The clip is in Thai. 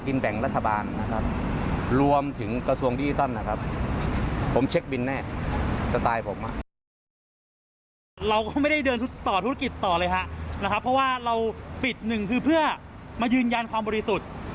เพราะว่าเราปิดหนึ่งคือเพื่อมายืนยันความบริสุทธิ์